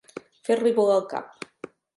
Fer-li volar el cap.